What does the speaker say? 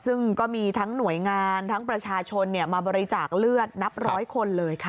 ซึ่งก็มีทั้งหน่วยงานทั้งประชาชนมาบริจาคเลือดนับร้อยคนเลยค่ะ